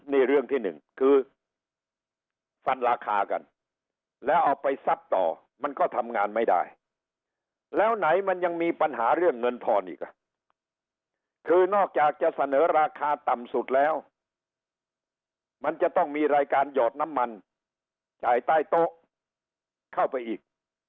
นี่เรื่องที่หนึ่งคือฟันราคากันแล้วเอาไปซับต่อมันก็ทำงานไม่ได้แล้วไหนมันยังมีปัญหาเรื่องเงินทอนอีกอ่ะคือนอกจากจะเสนอราคาต่ำสุดแล้วมันจะต้องมีรายการหยอดน้ำมันจ่ายใต้โต๊ะเข้าไปอีก